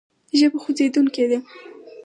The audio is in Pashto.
ژبه خوځېدونکې ده.